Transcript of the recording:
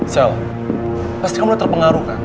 sel pasti kamu mulai terpengaruh kan